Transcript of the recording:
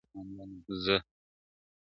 زه.